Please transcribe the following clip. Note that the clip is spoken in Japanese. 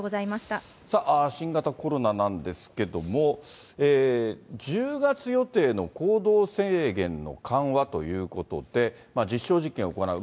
さあ、新型コロナなんですけれども、１０月予定の行動制限の緩和ということで、実証実験を行う。